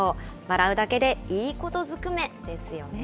笑うだけでいいことずくめですよね。